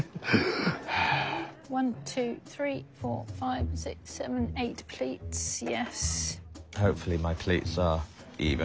はい。